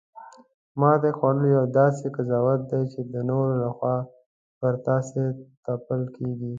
ماتې خوړل یو داسې قضاوت دی چې د نورو لخوا پر تاسې تپل کیږي